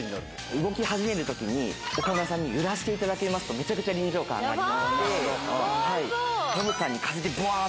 動き始めるときに、岡村さんに揺らしていただきますと、めちゃくちゃ臨場感が上がりやばっ。